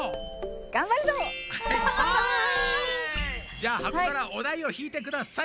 じゃあはこからおだいをひいてください。